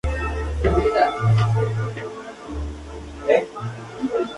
Estudió canto en Milán y llegó a ser cantante de ópera además de pintor.